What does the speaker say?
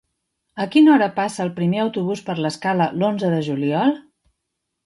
A quina hora passa el primer autobús per l'Escala l'onze de juliol?